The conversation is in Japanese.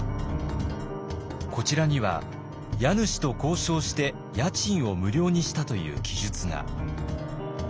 こちらには家主と交渉して家賃を無料にしたという記述が。